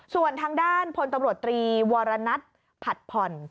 ส่วนทางด้านพลตำรวจตรีวรณัทผัดผ่อน